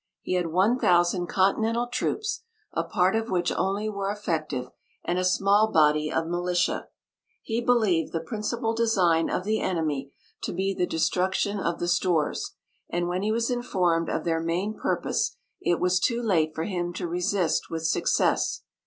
He had one thousand continental troops, a part of which only were effective, and a small body of militia. He believed the principal design of the enemy to be the destruction of the stores; and when he was informed of their main purpose, it was too late for him to resist with success.